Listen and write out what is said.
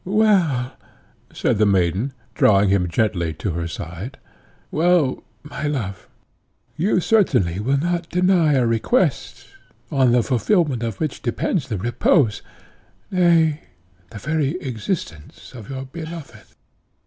"Well!" lisped the maiden, drawing him gently to her side, "well, my love, you certainly will not deny a request, on the fulfilment of which depends the repose, nay, the very existence of your beloved."